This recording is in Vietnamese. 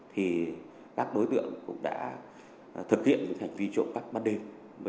thì các đối tượng cũng đã thực hiện hành vi trộm cắp ban đêm